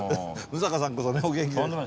六平さんこそねお元気で。